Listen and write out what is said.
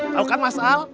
tau kan mas al